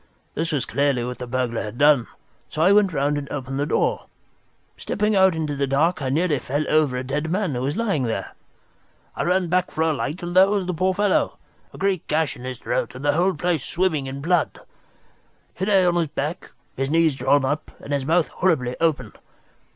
This was clearly what the burglar had done, so I went round and opened the door. Stepping out into the dark, I nearly fell over a dead man, who was lying there. I ran back for a light and there was the poor fellow, a great gash in his throat and the whole place swimming in blood. He lay on his back, his knees drawn up, and his mouth horribly open.